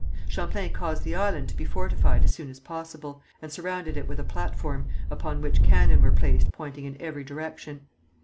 Champlain caused the island to be fortified as soon as possible, and surrounded it with a platform, upon which cannon were placed pointing in every direction.